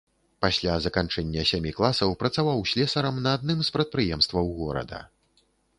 Пасля заканчэння сямі класаў працаваў слесарам на адным з прадпрыемстваў горада.